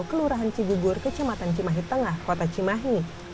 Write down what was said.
kelurahan cigugur kecematan cimahit tengah kota cimahi